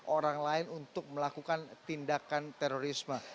orang lain untuk melakukan tindakan terorisme